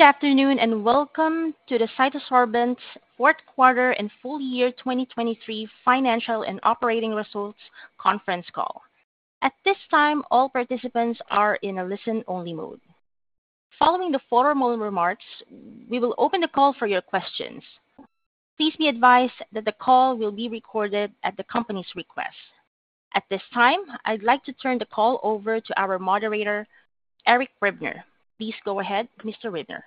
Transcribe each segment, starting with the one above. Good afternoon and welcome to the CytoSorbents Fourth Quarter and Full Year 2023 Financial and Operating Results Conference Call. At this time, all participants are in a listen-only mode. Following the formal remarks, we will open the call for your questions. Please be advised that the call will be recorded at the company's request. At this time, I'd like to turn the call over to our moderator, Eric Ribner. Please go ahead, Mr. Ribner.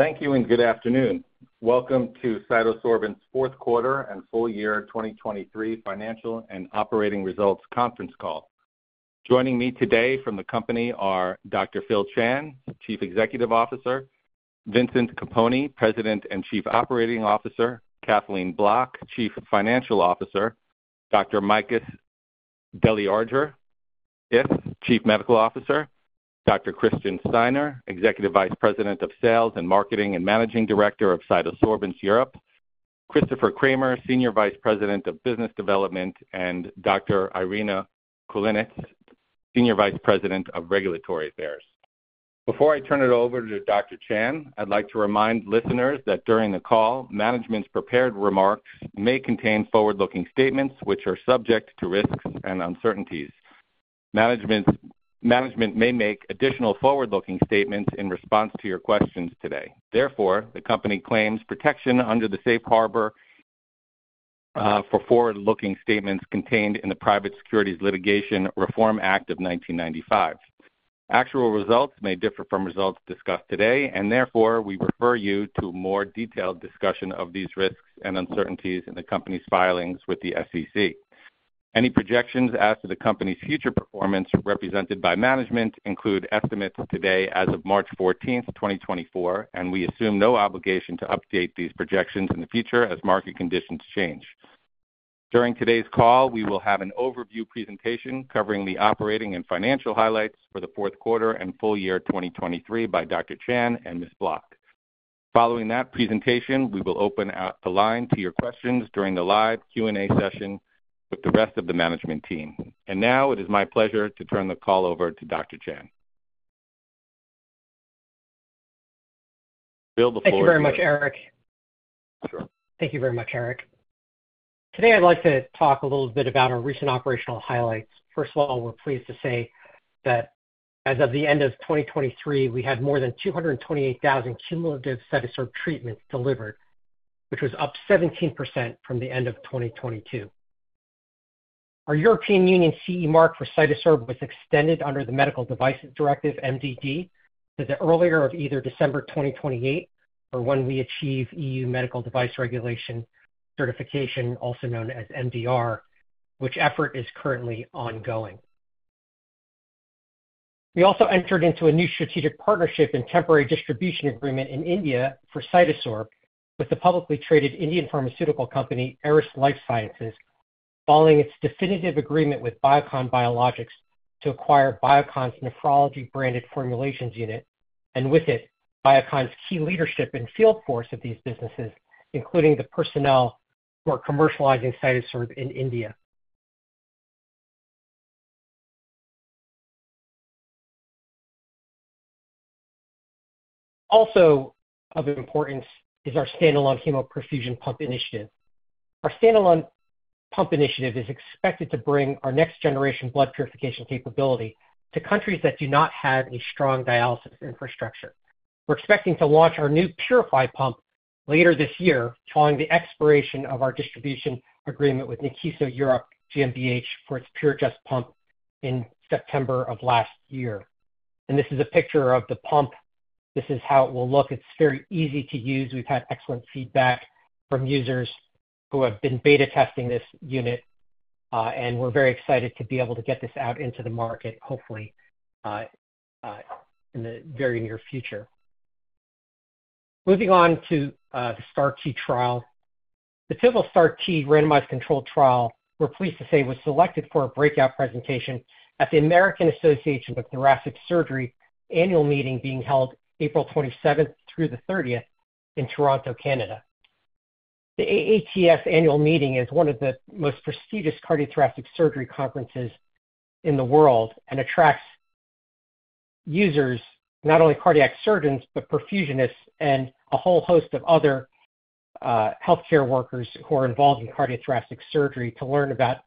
Thank you and good afternoon. Welcome to CytoSorbents Fourth Quarter and Full Year 2023 Financial and Operating Results Conference Call. Joining me today from the company are Dr. Phillip Chan, Chief Executive Officer, Vincent Capponi, President and Chief Operating Officer, Kathleen Bloch, Chief Financial Officer, Dr. Makis Deliargyris, Chief Medical Officer, Dr. Christian Steiner, Executive Vice President of Sales and Marketing and Managing Director of CytoSorbents Europe, Christopher Cramer, Senior Vice President of Business Development, and Dr. Irina Kulinets, Senior Vice President of Regulatory Affairs. Before I turn it over to Dr. Chan, I'd like to remind listeners that during the call, management's prepared remarks may contain forward-looking statements which are subject to risks and uncertainties. Management may make additional forward-looking statements in response to your questions today. Therefore, the company claims protection under the Safe Harbor for forward-looking statements contained in the Private Securities Litigation Reform Act of 1995. Actual results may differ from results discussed today, and therefore we refer you to a more detailed discussion of these risks and uncertainties in the company's filings with the SEC. Any projections as to the company's future performance represented by management include estimates today as of March 14, 2024, and we assume no obligation to update these projections in the future as market conditions change. During today's call, we will have an overview presentation covering the operating and financial highlights for the fourth quarter and full year 2023 by Dr. Chan and Ms. Bloch. Following that presentation, we will open the line to your questions during the live Q&A session with the rest of the management team. Now it is my pleasure to turn the call over to Dr. Chan. Thank you very much, Eric. Thank you very much, Eric. Today I'd like to talk a little bit about our recent operational highlights. First of all, we're pleased to say that as of the end of 2023, we had more than 228,000 cumulative CytoSorb treatments delivered, which was up 17% from the end of 2022. Our European Union CE Mark for CytoSorb was extended under the Medical Devices Directive, MDD, to the earlier of either December 2028 or when we achieve EU Medical Device Regulation certification, also known as MDR, which effort is currently ongoing. We also entered into a new strategic partnership and temporary distribution agreement in India for CytoSorb with the publicly traded Indian pharmaceutical company Eris Lifesciences, following its definitive agreement with Biocon Biologics to acquire Biocon's Nephrology Branded Formulations Unit, and with it, Biocon's key leadership and field force of these businesses, including the personnel who are commercializing CytoSorb in India. Also of importance is our standalone hemoperfusion pump initiative. Our standalone pump initiative is expected to bring our next-generation blood purification capability to countries that do not have a strong dialysis infrastructure. We're expecting to launch our new PuriFi pump later this year, following the expiration of our distribution agreement with Nikkiso Europe GmbH for its PureAdjust pump in September of last year. And this is a picture of the pump. This is how it will look. It's very easy to use. We've had excellent feedback from users who have been beta testing this unit, and we're very excited to be able to get this out into the market, hopefully, in the very near future. Moving on to the STAR-T trial. The STAR-T randomized controlled trial, we're pleased to say, was selected for a breakout presentation at the American Association for Thoracic Surgery annual meeting being held April 27 through the 30th in Toronto, Canada. The AATS annual meeting is one of the most prestigious cardiothoracic surgery conferences in the world and attracts users, not only cardiac surgeons but perfusionists and a whole host of other healthcare workers who are involved in cardiothoracic surgery to learn about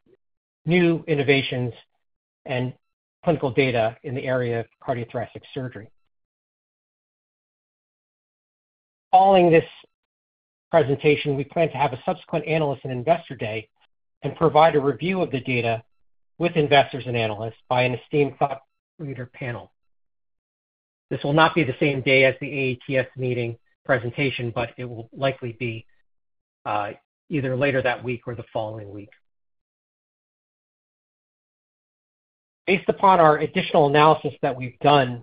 new innovations and clinical data in the area of cardiothoracic surgery. Following this presentation, we plan to have a subsequent analyst and investor day and provide a review of the data with investors and analysts by an esteemed thought leader panel. This will not be the same day as the AATS meeting presentation, but it will likely be either later that week or the following week. Based upon our additional analysis that we've done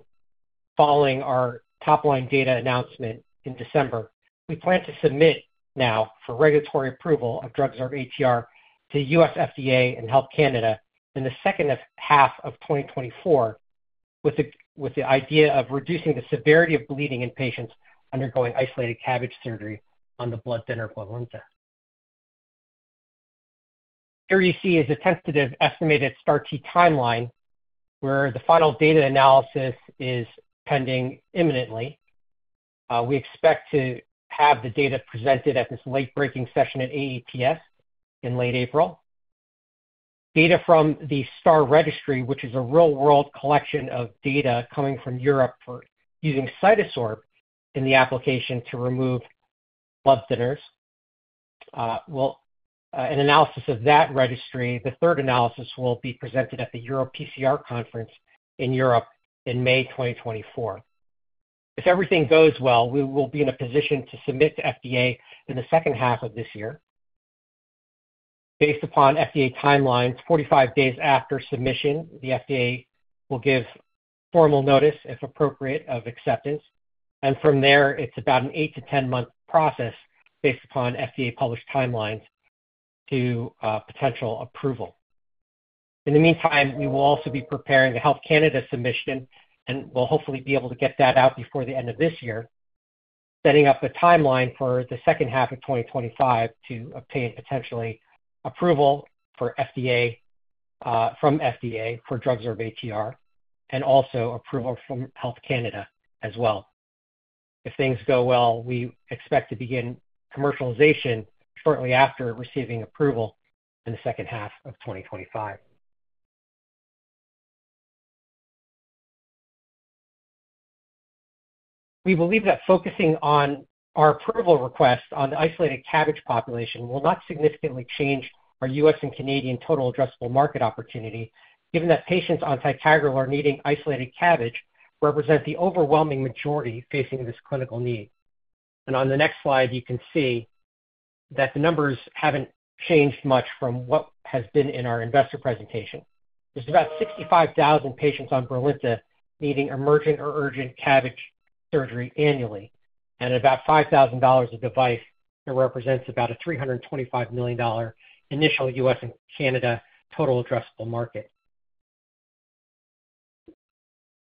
following our top-line data announcement in December, we plan to submit now for regulatory approval of DrugSorb-ATR to the U.S. FDA and Health Canada in the second half of 2024, with the idea of reducing the severity of bleeding in patients undergoing isolated CABG surgery on the blood thinner Brilinta. Here you see is a tentative estimated STAR-T timeline where the final data analysis is pending imminently. We expect to have the data presented at this late-breaking session at AATS in late April. Data from the STAR Registry, which is a real-world collection of data coming from Europe for using CytoSorb in the application to remove blood thinners, will an analysis of that registry, the third analysis, will be presented at the EuroPCR conference in Europe in May 2024. If everything goes well, we will be in a position to submit to FDA in the second half of this year. Based upon FDA timelines, 45 days after submission, the FDA will give formal notice, if appropriate, of acceptance. And from there, it's about an 8-10-month process based upon FDA published timelines to potential approval. In the meantime, we will also be preparing the Health Canada submission and will hopefully be able to get that out before the end of this year, setting up a timeline for the second half of 2025 to obtain potentially approval from FDA for DrugSorb-ATR and also approval from Health Canada as well. If things go well, we expect to begin commercialization shortly after receiving approval in the second half of 2025. We believe that focusing on our approval request on the isolated CABG population will not significantly change our U.S. and Canadian total addressable market opportunity, given that patients on Ticagrelor or needing isolated CABG represent the overwhelming majority facing this clinical need. On the next slide, you can see that the numbers haven't changed much from what has been in our investor presentation. There's about 65,000 patients on Brilinta needing emergent or urgent CABG surgery annually, and about $5,000 a device that represents about a $325 million initial U.S. and Canada total addressable market.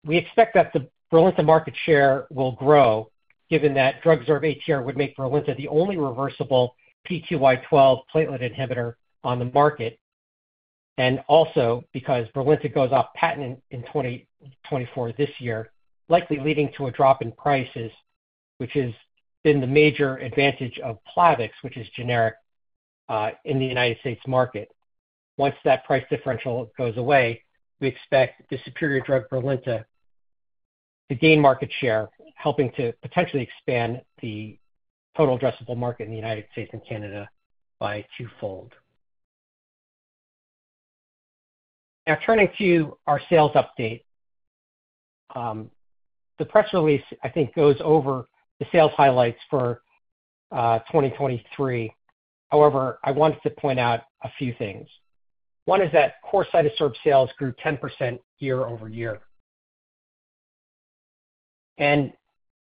We expect that the Brilinta market share will grow, given that DrugSorb-ATR would make Brilinta the only reversible P2Y12 platelet inhibitor on the market, and also because Brilinta goes off patent in 2024 this year, likely leading to a drop in prices, which has been the major advantage of Plavix, which is generic, in the United States market. Once that price differential goes away, we expect the superior drug Brilinta to gain market share, helping to potentially expand the total addressable market in the United States and Canada by twofold. Now, turning to our sales update, the press release, I think, goes over the sales highlights for 2023. However, I wanted to point out a few things. One is that core CytoSorb sales grew 10% year-over-year.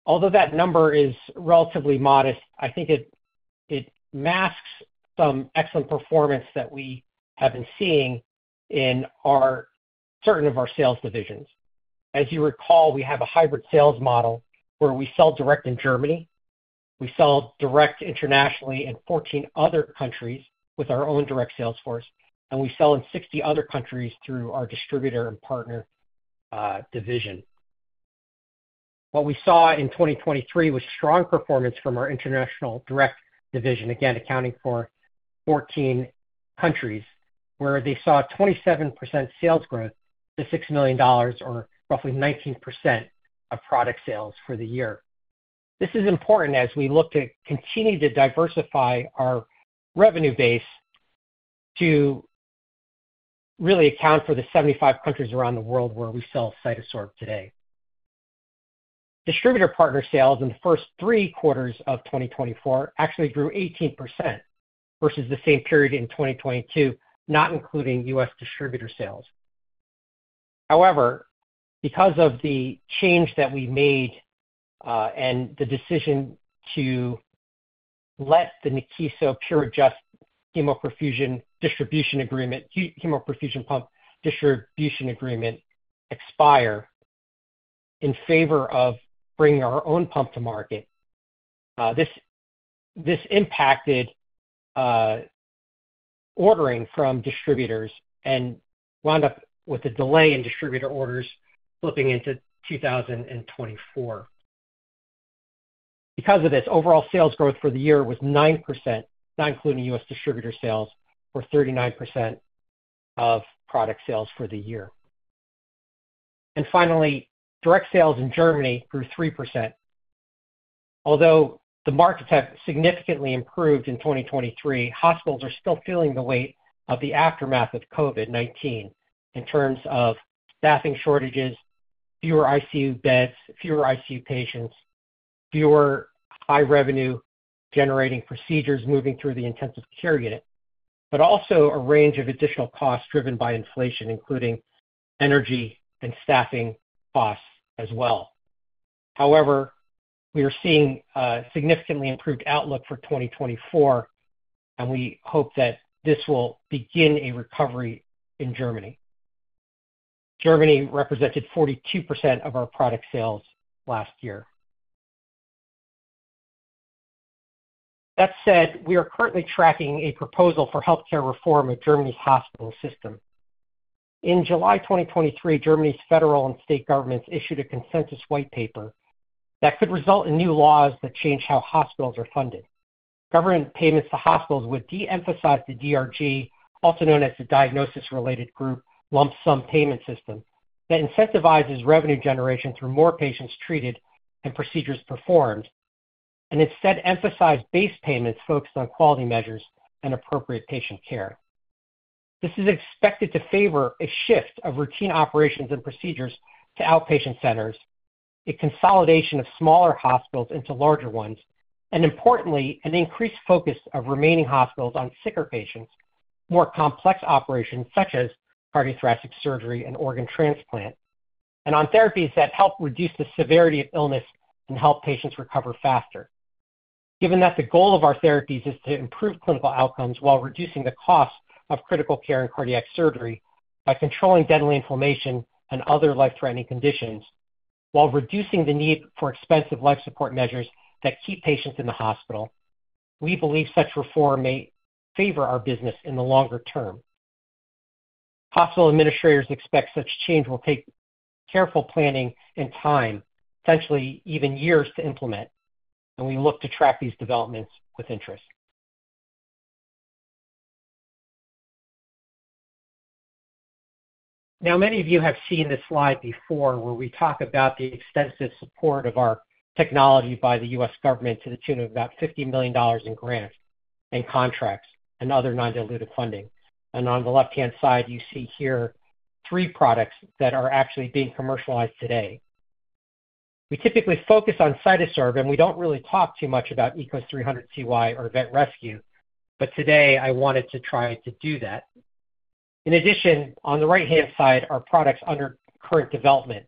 Although that number is relatively modest, I think it masks some excellent performance that we have been seeing in certain of our sales divisions. As you recall, we have a hybrid sales model where we sell direct in Germany, we sell direct internationally in 14 other countries with our own direct sales force, and we sell in 60 other countries through our distributor and partner division. What we saw in 2023 was strong performance from our international direct division, again accounting for 14 countries, where they saw 27% sales growth to $6 million or roughly 19% of product sales for the year. This is important as we look to continue to diversify our revenue base to really account for the 75 countries around the world where we sell CytoSorb today. Distributor partner sales in the first three quarters of 2024 actually grew 18% versus the same period in 2022, not including U.S. distributor sales. However, because of the change that we made and the decision to let the Nikkiso PureAdjust hemoperfusion pump distribution agreement expire in favor of bringing our own pump to market, this impacted ordering from distributors and wound up with a delay in distributor orders flipping into 2024. Because of this, overall sales growth for the year was 9%, not including U.S. distributor sales, or 39% of product sales for the year. And finally, direct sales in Germany grew 3%. Although the markets have significantly improved in 2023, hospitals are still feeling the weight of the aftermath of COVID-19 in terms of staffing shortages, fewer ICU beds, fewer ICU patients, fewer high-revenue-generating procedures moving through the intensive care unit, but also a range of additional costs driven by inflation, including energy and staffing costs as well. However, we are seeing a significantly improved outlook for 2024, and we hope that this will begin a recovery in Germany. Germany represented 42% of our product sales last year. That said, we are currently tracking a proposal for healthcare reform of Germany's hospital system. In July 2023, Germany's federal and state governments issued a consensus white paper that could result in new laws that change how hospitals are funded. Government payments to hospitals would de-emphasize the DRG, also known as the Diagnosis-Related Group Lump Sum Payment System, that incentivizes revenue generation through more patients treated and procedures performed, and instead emphasize base payments focused on quality measures and appropriate patient care. This is expected to favor a shift of routine operations and procedures to outpatient centers, a consolidation of smaller hospitals into larger ones, and importantly, an increased focus of remaining hospitals on sicker patients, more complex operations such as cardiothoracic surgery and organ transplant, and on therapies that help reduce the severity of illness and help patients recover faster. Given that the goal of our therapies is to improve clinical outcomes while reducing the costs of critical care and cardiac surgery by controlling deadly inflammation and other life-threatening conditions, while reducing the need for expensive life support measures that keep patients in the hospital, we believe such reform may favor our business in the longer term. Hospital administrators expect such change will take careful planning and time, potentially even years, to implement, and we look to track these developments with interest. Now, many of you have seen this slide before where we talk about the extensive support of our technology by the U.S. government to the tune of about $50 million in grants and contracts and other non-dilutive funding. On the left-hand side, you see here three products that are actually being commercialized today. We typically focus on CytoSorb, and we don't really talk too much about ECOS-300CY or VetResQ, but today, I wanted to try to do that. In addition, on the right-hand side, our products under current development,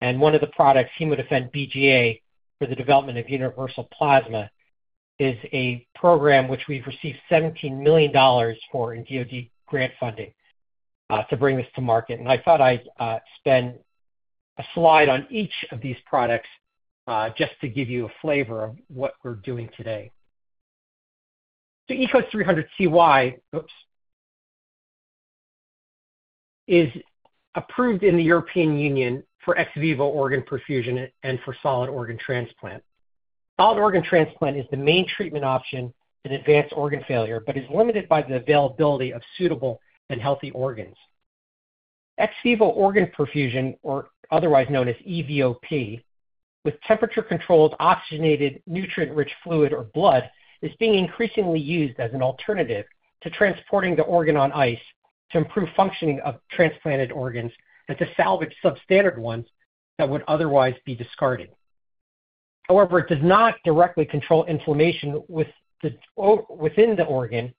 and one of the products, HemoDefend-BGA, for the development of Universal Plasma, is a program which we've received $17 million for in DOD grant funding to bring this to market. I thought I'd spend a slide on each of these products just to give you a flavor of what we're doing today. ECOS-300CY is approved in the European Union for ex vivo organ perfusion and for solid organ transplant. Solid organ transplant is the main treatment option in advanced organ failure but is limited by the availability of suitable and healthy organs. Ex vivo organ perfusion, or otherwise known as EVOP, with temperature-controlled oxygenated nutrient-rich fluid or blood, is being increasingly used as an alternative to transporting the organ on ice to improve functioning of transplanted organs and to salvage substandard ones that would otherwise be discarded. However, it does not directly control inflammation within the organ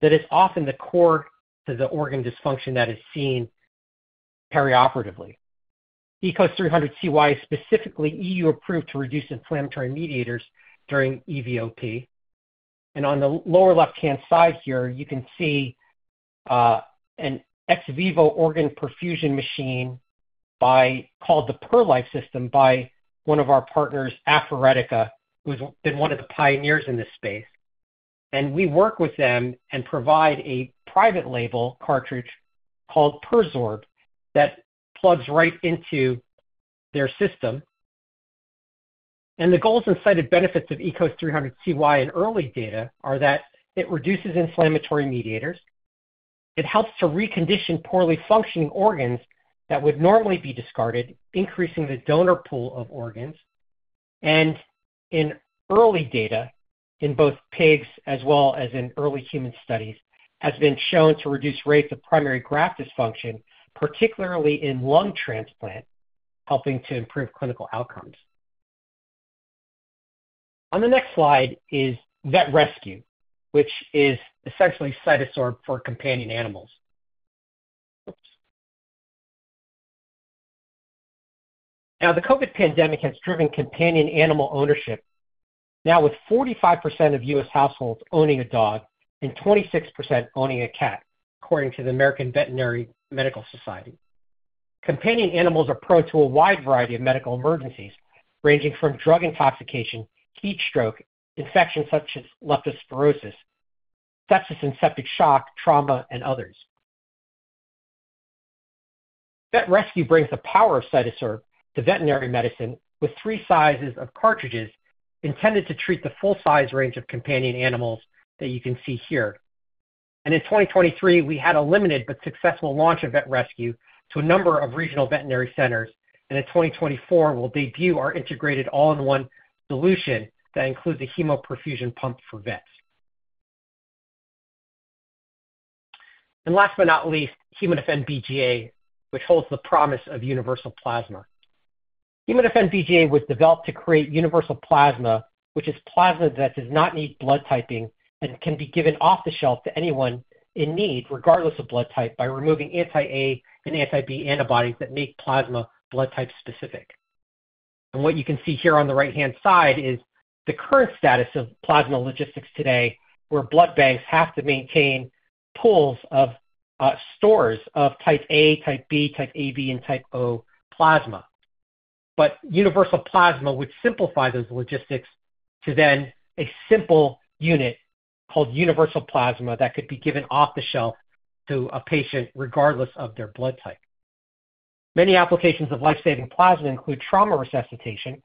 that is often the core to the organ dysfunction that is seen perioperatively. ECOS-300CY is specifically EU-approved to reduce inflammatory mediators during EVOP. On the lower left-hand side here, you can see an ex vivo organ perfusion machine called the PerLife System by one of our partners, Aferetica, who's been one of the pioneers in this space. We work with them and provide a private-label cartridge called PerSorb that plugs right into their system. The goals and cited benefits of ECOS-300CY in early data are that it reduces inflammatory mediators, it helps to recondition poorly functioning organs that would normally be discarded, increasing the donor pool of organs, and in early data, in both pigs as well as in early human studies, has been shown to reduce rates of primary graft dysfunction, particularly in lung transplant, helping to improve clinical outcomes. On the next slide is VetResQ, which is essentially CytoSorb for companion animals. Now, the COVID pandemic has driven companion animal ownership, now with 45% of U.S. households owning a dog and 26% owning a cat, according to the American Veterinary Medical Association. Companion animals are prone to a wide variety of medical emergencies ranging from drug intoxication, heat stroke, infections such as leptospirosis, sepsis and septic shock, trauma, and others. VetResQ brings the power of CytoSorb to veterinary medicine with three sizes of cartridges intended to treat the full-size range of companion animals that you can see here. In 2023, we had a limited but successful launch of VetResQ to a number of regional veterinary centers, and in 2024, we'll debut our integrated all-in-one solution that includes a hemoperfusion pump for vets. Last but not least, HemoDefend-BGA, which holds the promise of universal plasma. HemoDefend-BGA was developed to create universal plasma, which is plasma that does not need blood typing and can be given off-the-shelf to anyone in need, regardless of blood type, by removing anti-A and anti-B antibodies that make plasma blood type specific. What you can see here on the right-hand side is the current status of plasma logistics today, where blood banks have to maintain pools of stores of type A, type B, type AB, and type O plasma. But universal plasma would simplify those logistics to then a simple unit called universal plasma that could be given off-the-shelf to a patient regardless of their blood type. Many applications of lifesaving plasma include trauma resuscitation,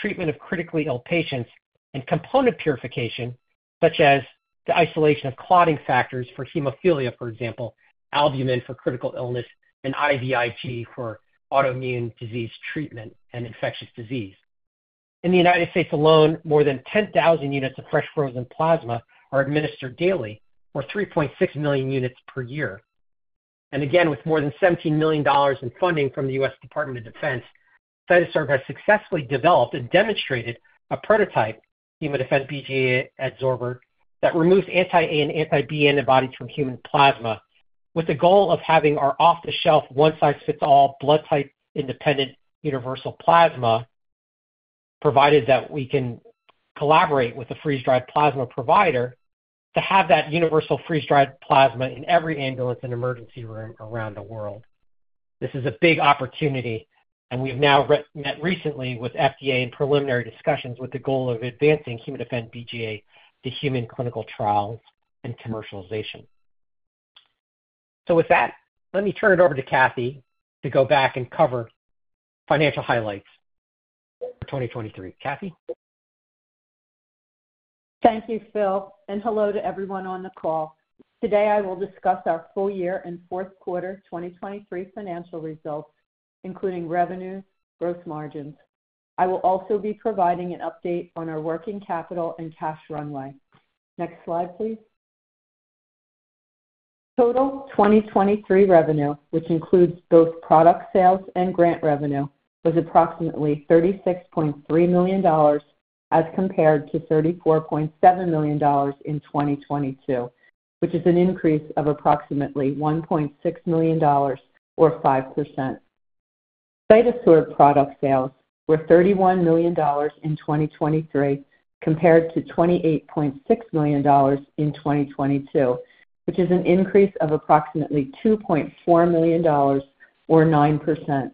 treatment of critically ill patients, and component purification, such as the isolation of clotting factors for hemophilia, for example, albumin for critical illness, and IVIG for autoimmune disease treatment and infectious disease. In the United States alone, more than 10,000 units of fresh-frozen plasma are administered daily, or 3.6 million units per year. And again, with more than $17 million in funding from the U.S. Department of Defense, CytoSorbents has successfully developed and demonstrated a prototype, HemoDefend-BGA adsorber, that removes anti-A and anti-B antibodies from human plasma with the goal of having our off-the-shelf, one-size-fits-all, blood type-independent universal plasma, provided that we can collaborate with a freeze-dried plasma provider, to have that universal freeze-dried plasma in every ambulance and emergency room around the world. This is a big opportunity, and we have now met recently with FDA in preliminary discussions with the goal of advancing HemoDefend-BGA to human clinical trials and commercialization. So with that, let me turn it over to Kathy to go back and cover financial highlights for 2023. Kathy? Thank you, Phil, and hello to everyone on the call. Today, I will discuss our Full Year and Fourth Quarter 2023 Financial Results, including revenue, gross margins. I will also be providing an update on our working capital and cash runway. Next slide, please. Total 2023 revenue, which includes both product sales and grant revenue, was approximately $36.3 million as compared to $34.7 million in 2022, which is an increase of approximately $1.6 million or 5%. CytoSorb product sales were $31 million in 2023 compared to $28.6 million in 2022, which is an increase of approximately $2.4 million or 9%.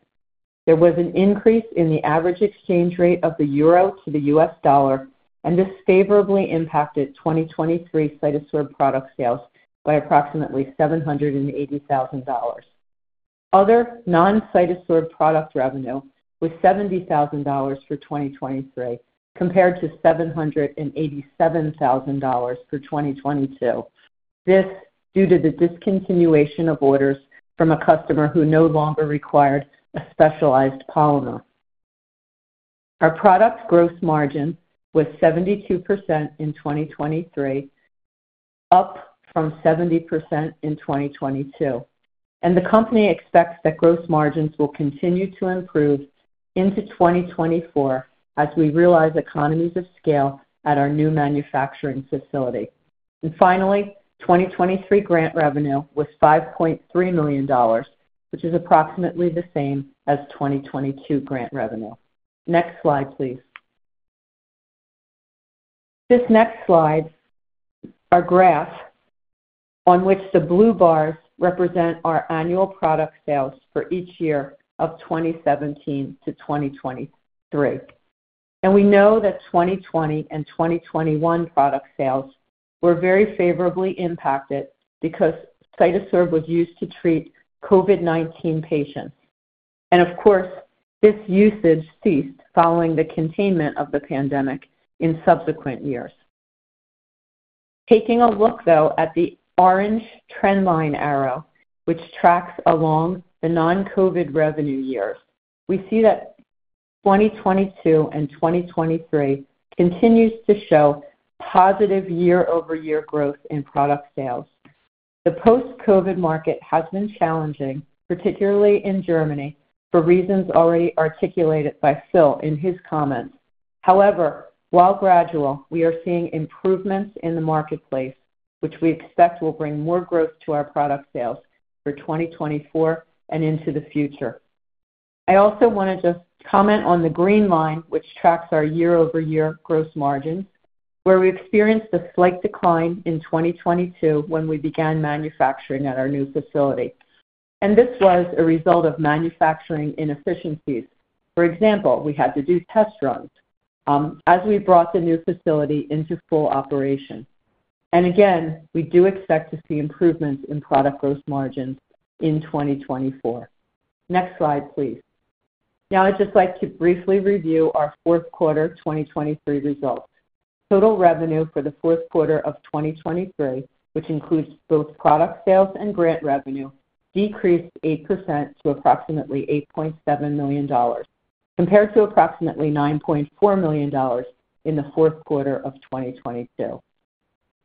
There was an increase in the average exchange rate of the euro to the U.S. dollar, and this favorably impacted 2023 CytoSorb product sales by approximately $780,000. Other non-CytoSorb product revenue was $70,000 for 2023 compared to $787,000 for 2022, this due to the discontinuation of orders from a customer who no longer required a specialized polymer. Our product gross margin was 72% in 2023, up from 70% in 2022. The company expects that gross margins will continue to improve into 2024 as we realize economies of scale at our new manufacturing facility. Finally, 2023 grant revenue was $5.3 million, which is approximately the same as 2022 grant revenue. Next slide, please. This next slide is our graph on which the blue bars represent our annual product sales for each year of 2017 to 2023. We know that 2020 and 2021 product sales were very favorably impacted because CytoSorb was used to treat COVID-19 patients. Of course, this usage ceased following the containment of the pandemic in subsequent years. Taking a look, though, at the orange trendline arrow, which tracks along the non-COVID revenue years, we see that 2022 and 2023 continues to show positive year-over-year growth in product sales. The post-COVID market has been challenging, particularly in Germany, for reasons already articulated by Phil in his comments. However, while gradual, we are seeing improvements in the marketplace, which we expect will bring more growth to our product sales for 2024 and into the future. I also want to just comment on the green line, which tracks our year-over-year gross margins, where we experienced a slight decline in 2022 when we began manufacturing at our new facility. This was a result of manufacturing inefficiencies. For example, we had to do test runs as we brought the new facility into full operation. Again, we do expect to see improvements in product gross margins in 2024. Next slide, please. Now, I'd just like to briefly review our fourth quarter 2023 results. Total revenue for the fourth quarter of 2023, which includes both product sales and grant revenue, decreased 8% to approximately $8.7 million compared to approximately $9.4 million in the fourth quarter of 2022.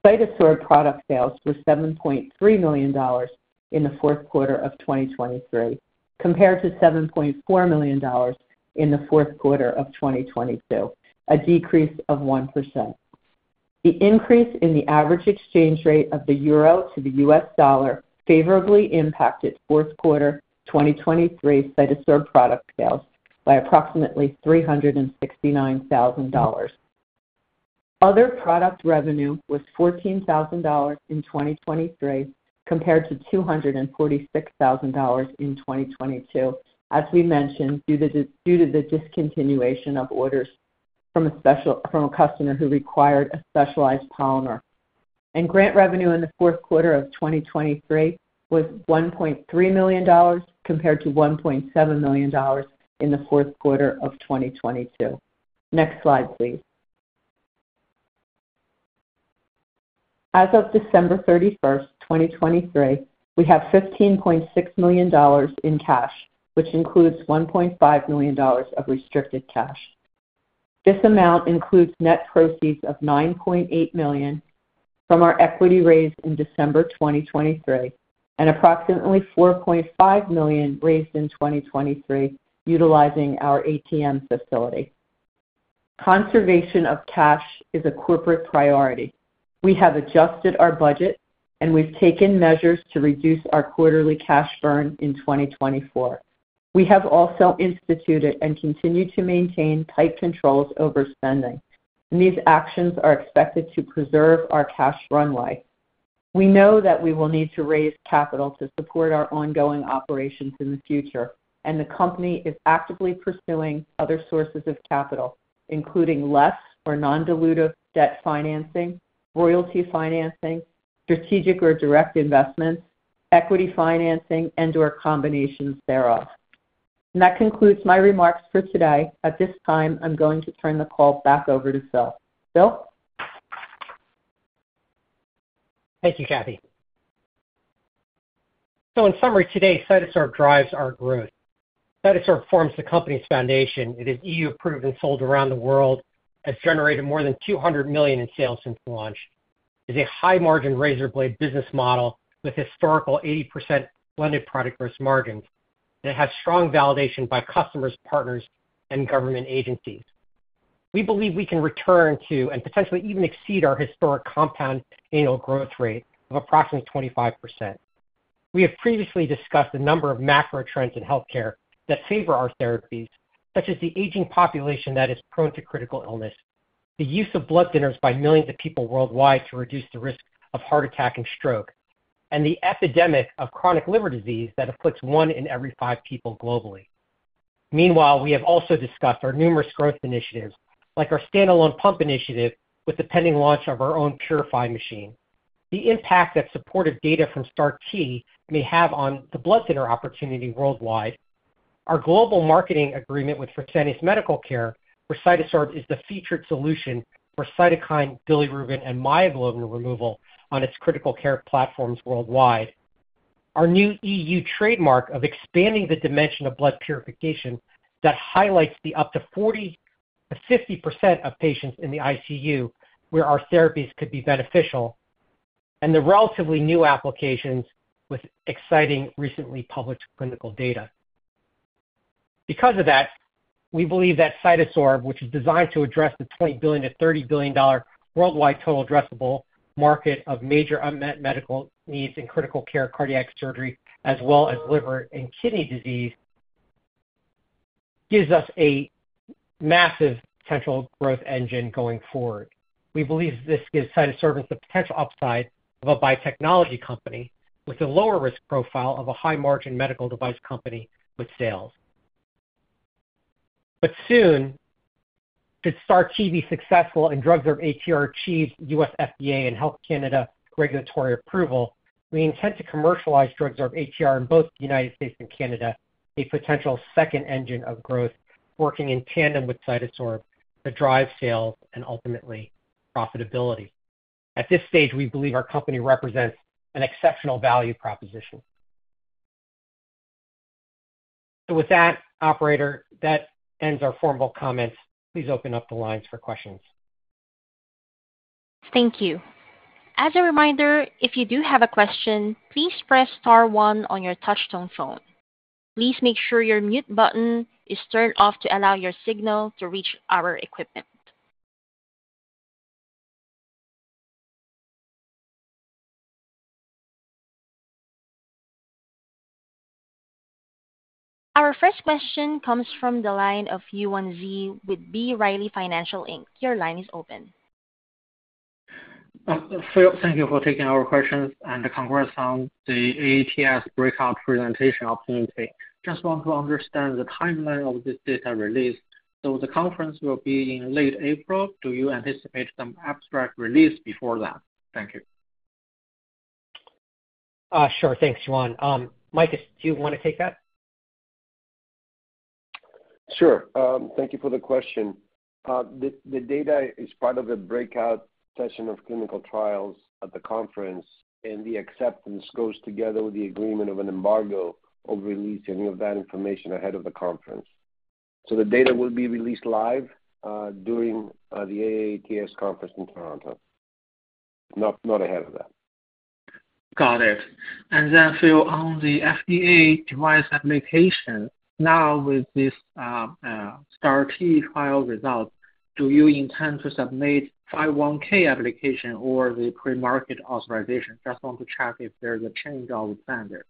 CytoSorb product sales were $7.3 million in the fourth quarter of 2023 compared to $7.4 million in the fourth quarter of 2022, a decrease of 1%. The increase in the average exchange rate of the euro to the U.S. dollar favorably impacted fourth quarter 2023 CytoSorb product sales by approximately $369,000. Other product revenue was $14,000 in 2023 compared to $246,000 in 2022, as we mentioned, due to the discontinuation of orders from a customer who required a specialized polymer. Grant revenue in the fourth quarter of 2023 was $1.3 million compared to $1.7 million in the fourth quarter of 2022. Next slide, please. As of December 31, 2023, we have $15.6 million in cash, which includes $1.5 million of restricted cash. This amount includes net proceeds of $9.8 million from our equity raised in December 2023 and approximately $4.5 million raised in 2023 utilizing our ATM facility. Conservation of cash is a corporate priority. We have adjusted our budget, and we've taken measures to reduce our quarterly cash burn in 2024. We have also instituted and continue to maintain tight controls over spending. These actions are expected to preserve our cash runway. We know that we will need to raise capital to support our ongoing operations in the future, and the company is actively pursuing other sources of capital, including less or non-dilutive debt financing, royalty financing, strategic or direct investments, equity financing, and/or combinations thereof. That concludes my remarks for today. At this time, I'm going to turn the call back over to Phil. Phil? Thank you, Kathy. So in summary, today, CytoSorb drives our growth. CytoSorb forms the company's foundation. It is EU-approved and sold around the world. It has generated more than $200 million in sales since launch. It is a high-margin razor blade business model with historical 80% blended product gross margins. And it has strong validation by customers, partners, and government agencies. We believe we can return to and potentially even exceed our historic compound annual growth rate of approximately 25%. We have previously discussed a number of macro trends in healthcare that favor our therapies, such as the aging population that is prone to critical illness, the use of blood thinners by millions of people worldwide to reduce the risk of heart attack and stroke, and the epidemic of chronic liver disease that afflicts one in every five people globally. Meanwhile, we have also discussed our numerous growth initiatives, like our standalone pump initiative with the pending launch of our own PuriFi machine, the impact that supportive data from STAR-T may have on the blood thinner opportunity worldwide, our global marketing agreement with Fresenius Medical Care, where CytoSorb is the featured solution for cytokine, bilirubin, and myoglobin removal on its critical care platforms worldwide, our new EU trademark of expanding the dimension of blood purification that highlights up to 50% of patients in the ICU where our therapies could be beneficial, and the relatively new applications with exciting recently published clinical data. Because of that, we believe that CytoSorb, which is designed to address the $20 billion-$30 billion worldwide total addressable market of major unmet medical needs in critical care cardiac surgery as well as liver and kidney disease, gives us a massive potential growth engine going forward. We believe this gives CytoSorb the potential upside of a biotechnology company with a lower risk profile of a high-margin medical device company with sales. But soon, should STAR-T be successful and DrugSorb-ATR achieve U.S. FDA and Health Canada regulatory approval, we intend to commercialize DrugSorb-ATR in both the United States and Canada, a potential second engine of growth working in tandem with CytoSorb to drive sales and ultimately profitability. At this stage, we believe our company represents an exceptional value proposition. So with that, operator, that ends our formal comments. Please open up the lines for questions. Thank you. As a reminder, if you do have a question, please press star 1 on your touch-tone phone. Please make sure your mute button is turned off to allow your signal to reach our equipment. Our first question comes from the line of Yuan Zhi with B. Riley Securities. Your line is open. Phil, thank you for taking our questions and congrats on the AATS breakout presentation opportunity. Just want to understand the timeline of this data release. So the conference will be in late April. Do you anticipate some abstract release before that? Thank you. Sure. Thanks, Yuan. Mike, do you want to take that? Sure. Thank you for the question. The data is part of the breakout session of clinical trials at the conference, and the acceptance goes together with the agreement of an embargo of releasing any of that information ahead of the conference. So the data will be released live during the AATS conference in Toronto, not ahead of that. Got it. And then, Phil, on the FDA device application, now with this STAR-T trial result, do you intend to submit 510(k) application or the pre-market authorization? Just want to check if there's a change of standard.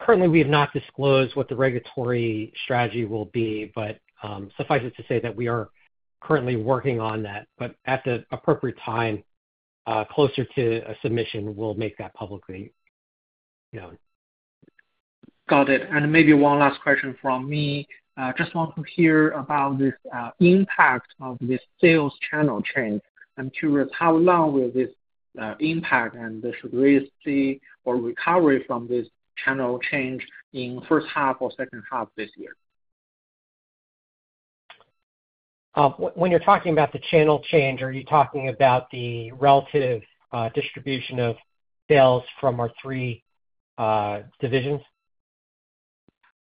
Currently, we have not disclosed what the regulatory strategy will be, but suffice to say that we are currently working on that. But at the appropriate time, closer to submission, we'll make that publicly known. Got it. And maybe one last question from me. Just want to hear about the impact of this sales channel change. I'm curious, how long will this impact and the severity or recovery from this channel change in first half or second half this year? When you're talking about the channel change, are you talking about the relative distribution of sales from our three divisions?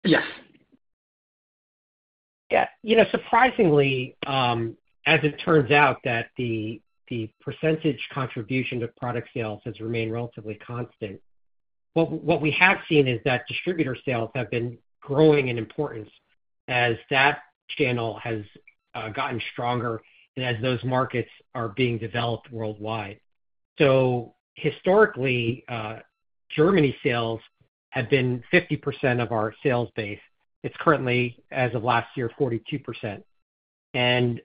Yes. Yeah. Surprisingly, as it turns out, that the percentage contribution to product sales has remained relatively constant. What we have seen is that distributor sales have been growing in importance as that channel has gotten stronger and as those markets are being developed worldwide. So historically, Germany sales have been 50% of our sales base. It's currently, as of last year, 42%. And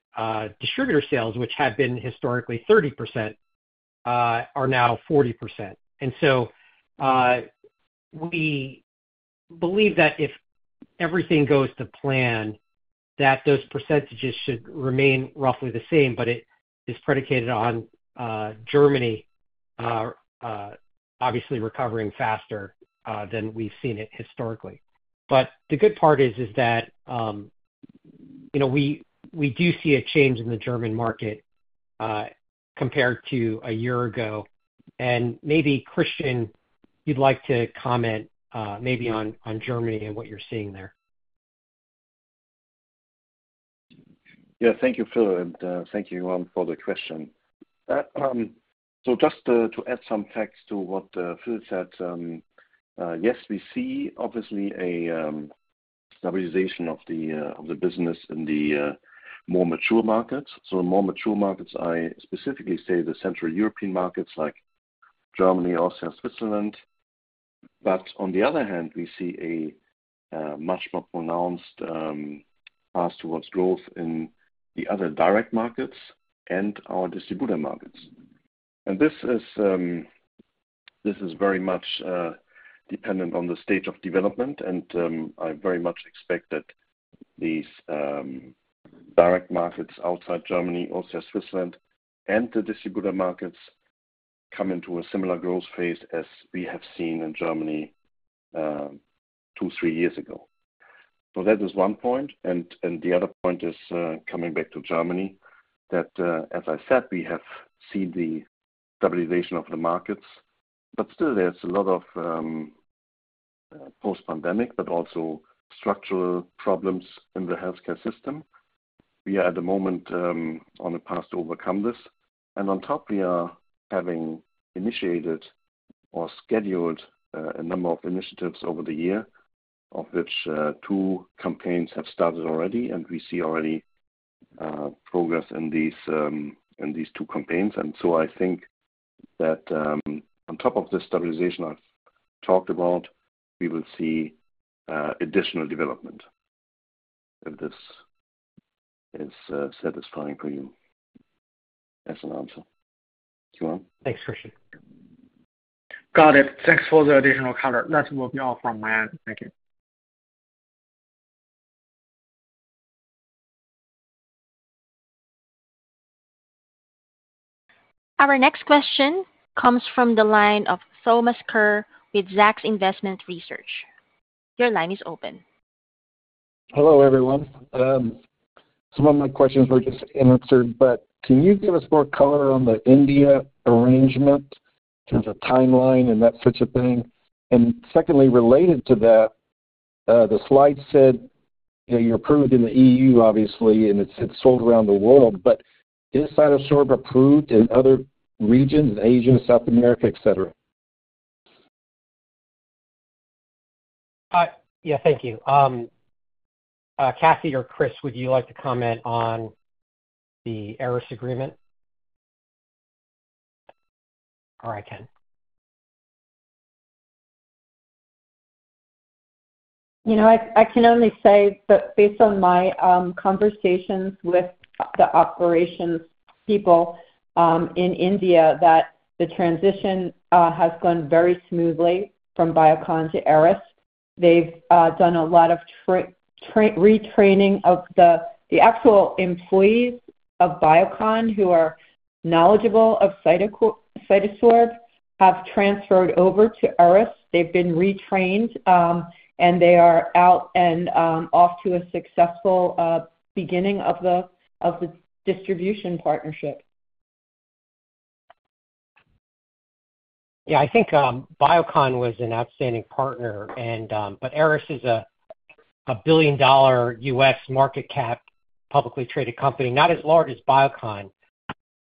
distributor sales, which have been historically 30%, are now 40%. And so we believe that if everything goes to plan, that those percentages should remain roughly the same. But it is predicated on Germany obviously recovering faster than we've seen it historically. But the good part is that we do see a change in the German market compared to a year ago. And maybe, Christian, you'd like to comment maybe on Germany and what you're seeing there. Yeah. Thank you, Phil. And thank you, Juan, for the question. So just to add some facts to what Phil said, yes, we see, obviously, a stabilization of the business in the more mature markets. So in more mature markets, I specifically say the Central European markets like Germany, Austria, Switzerland. But on the other hand, we see a much more pronounced path towards growth in the other direct markets and our distributor markets. And this is very much dependent on the stage of development. And I very much expect that these direct markets outside Germany, Austria, Switzerland, and the distributor markets come into a similar growth phase as we have seen in Germany two, three years ago. So that is one point. The other point is coming back to Germany, that as I said, we have seen the stabilization of the markets. But still, there's a lot of post-pandemic but also structural problems in the healthcare system. We are at the moment on a path to overcome this. And on top, we are having initiated or scheduled a number of initiatives over the year, of which two campaigns have started already. And we see already progress in these two campaigns. And so I think that on top of this stabilization I've talked about, we will see additional development if this is satisfying for you as an answer. Yuan. Thanks, Christian. Got it. Thanks for the additional color. That will be all from my end. Thank you. Our next question comes from the line of Thomas Kerr with Zacks Investment Research. Your line is open. Hello, everyone. Some of my questions were just answered. But can you give us more color on the India arrangement in terms of timeline and that sort of thing? And secondly, related to that, the slide said you're approved in the EU, obviously, and it's sold around the world. But is CytoSorb approved in other regions in Asia, South America, etc.? Yeah. Thank you. Kathy or Chris, would you like to comment on the Eris agreement? Or I can. I can only say that based on my conversations with the operations people in India, that the transition has gone very smoothly from Biocon to Eris. They've done a lot of retraining of the actual employees of Biocon who are knowledgeable of CytoSorb have transferred over to Eris. They've been retrained, and they are out and off to a successful beginning of the distribution partnership. Yeah. I think Biocon was an outstanding partner. Eris is a billion-dollar U.S. market cap publicly traded company, not as large as Biocon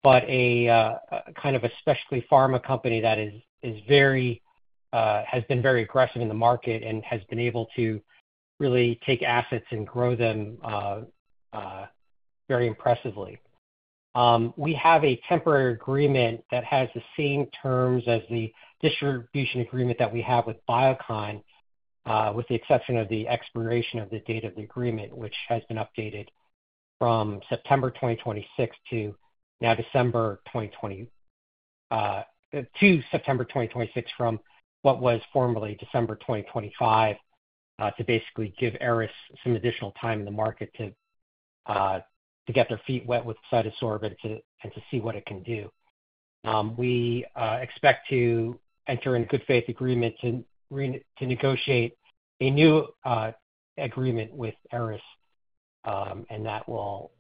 but kind of a specialty pharma company that has been very aggressive in the market and has been able to really take assets and grow them very impressively. We have a temporary agreement that has the same terms as the distribution agreement that we have with Biocon, with the exception of the expiration of the date of the agreement, which has been updated from September 2026 to now December 2020 to September 2026 from what was formerly December 2025 to basically give Eris some additional time in the market to get their feet wet with CytoSorb and to see what it can do. We expect to enter in good faith agreement to negotiate a new agreement with Eris. That will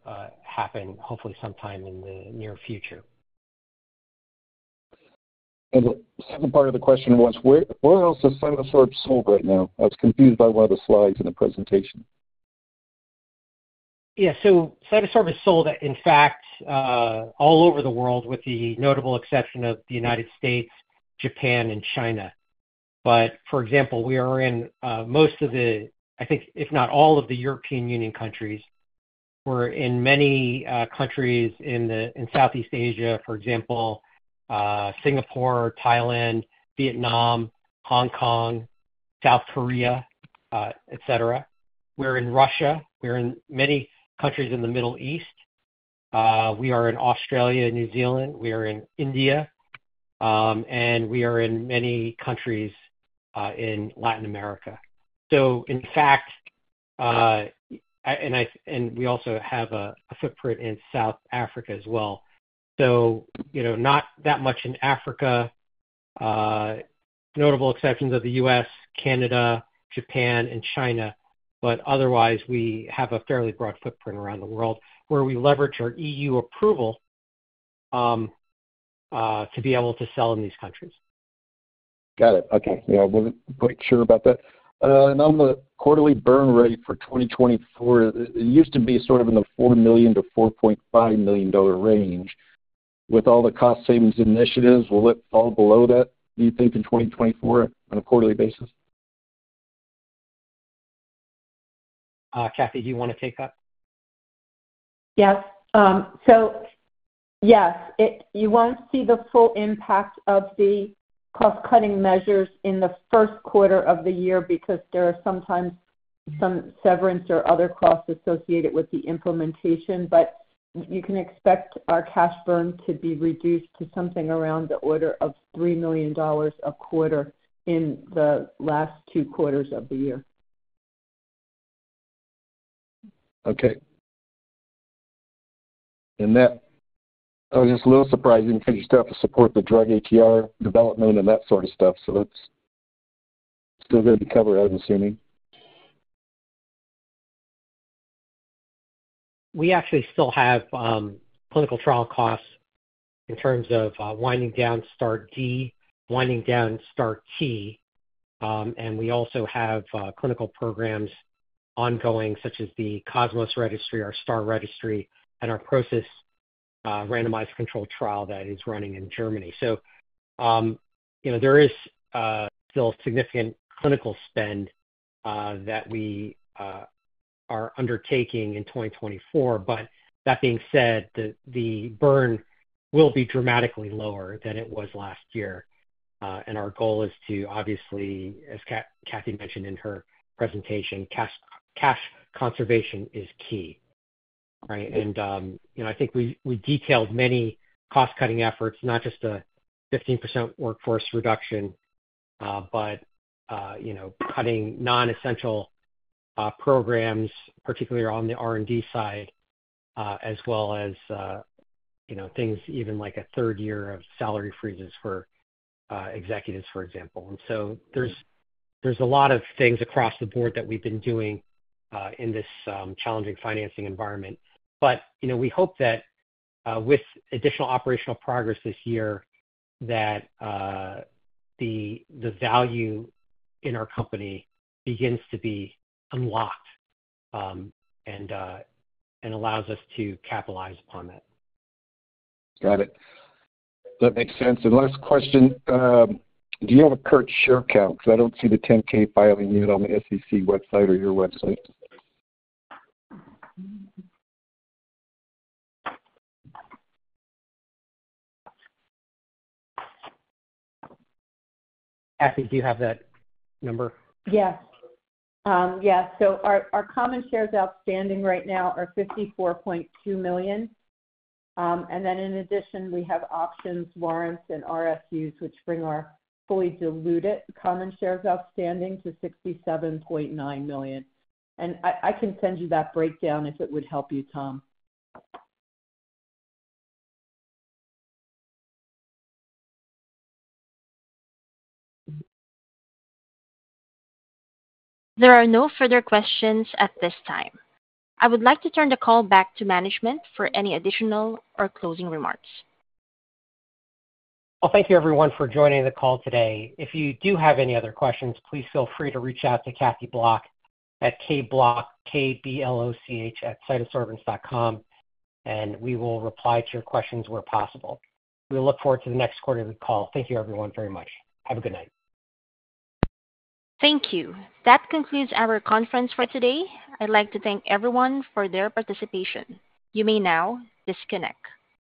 happen, hopefully, sometime in the near future. The second part of the question was, where else is CytoSorb sold right now? I was confused by one of the slides in the presentation. Yeah. So CytoSorb is sold, in fact, all over the world, with the notable exception of the United States, Japan, and China. But for example, we are in most of the, I think, if not all of the European Union countries. We're in many countries in Southeast Asia, for example, Singapore, Thailand, Vietnam, Hong Kong, South Korea, etc. We're in Russia. We're in many countries in the Middle East. We are in Australia, New Zealand. We are in India. And we are in many countries in Latin America. So in fact and we also have a footprint in South Africa as well. So not that much in Africa, notable exceptions of the U.S., Canada, Japan, and China. But otherwise, we have a fairly broad footprint around the world where we leverage our EU approval to be able to sell in these countries. Got it. Okay. Yeah. I wasn't quite sure about that. And on the quarterly burn rate for 2024, it used to be sort of in the $4 million-$4.5 million range. With all the cost savings initiatives, will it fall below that, do you think, in 2024 on a quarterly basis? Kathy, do you want to take that? Yes. So yes, you won't see the full impact of the cost-cutting measures in the first quarter of the year because there are sometimes some severance or other costs associated with the implementation. But you can expect our cash burn to be reduced to something around the order of $3 million a quarter in the last two quarters of the year. Okay. That is a little surprising because your stuff supports the DrugSorb-ATR development and that sort of stuff. That's still going to be covered, I'm assuming? We actually still have clinical trial costs in terms of winding down STAR-D, winding down STAR-T. We also have clinical programs ongoing such as the COSMOS Registry, our STAR Registry, and our PROCYSS randomized controlled trial that is running in Germany. There is still significant clinical spend that we are undertaking in 2024. But that being said, the burn will be dramatically lower than it was last year. Our goal is to, obviously, as Kathy mentioned in her presentation, cash conservation is key, right? I think we detailed many cost-cutting efforts, not just a 15% workforce reduction but cutting nonessential programs, particularly on the R&D side, as well as things even like a third year of salary freezes for executives, for example. So there's a lot of things across the board that we've been doing in this challenging financing environment. But we hope that with additional operational progress this year, that the value in our company begins to be unlocked and allows us to capitalize upon that. Got it. That makes sense. And last question, do you have a current share count? Because I don't see the 10-K filing yet on the SEC website or your website. Kathy, do you have that number? Yeah. Yeah. So our common shares outstanding right now are 54.2 million. Then in addition, we have options, warrants, and RSUs, which bring our fully diluted common shares outstanding to 67.9 million. I can send you that breakdown if it would help you, Tom. There are no further questions at this time. I would like to turn the call back to management for any additional or closing remarks. Well, thank you, everyone, for joining the call today. If you do have any other questions, please feel free to reach out to Kathy Bloch at kbloch, K-B-L-O-C-H, at cytosorbents.com. We will reply to your questions where possible. We look forward to the next quarterly call. Thank you, everyone, very much. Have a good night. Thank you. That concludes our conference for today. I'd like to thank everyone for their participation. You may now disconnect.